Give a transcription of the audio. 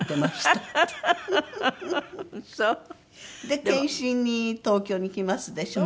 で検診に東京に来ますでしょ？